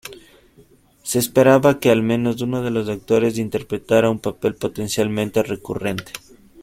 Se esperaba que al menos uno de los actores interpretará un papel potencialmente recurrente.